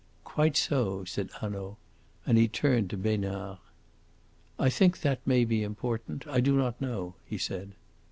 "Quite so," said Hanaud, and he turned to Besnard. "I think that may be important. I do not know," he said.